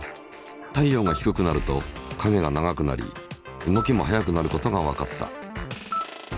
太陽が低くなると影が長くなり動きも速くなることがわかった。